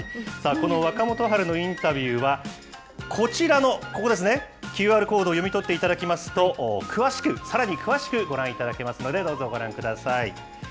この若元春のインタビューは、こちらの、ここですね、ＱＲコードを読み取っていただきますと、詳しく、さらに詳しくご覧いただけますので、どうぞご覧ください。